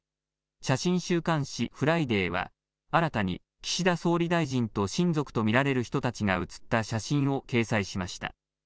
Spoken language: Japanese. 写真週刊誌フライデーは新たに岸田総理大臣と親族と見られる人たちが写った写真を掲載しました。